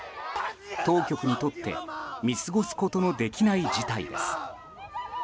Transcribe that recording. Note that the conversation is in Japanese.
当局にとって見過ごすことのできない事態です。